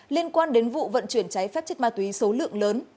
liên quan đến vụ vận chuyển cháy phép chất ma túy số lượng lớn